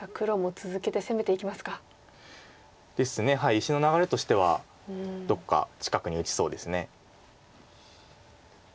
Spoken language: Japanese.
石の流れとしてはどこか近くに打ちそうです。